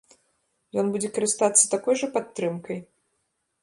Ён будзе карыстацца такой жа падтрымкай?